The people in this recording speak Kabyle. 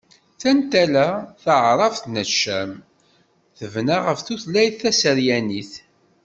Tantala taɛrabt n Ccam tebna ɣef tutlayt taseryanit.